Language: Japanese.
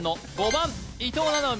番伊藤七海